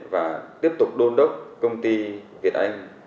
và tiếp tục đôn đốc công ty việt anh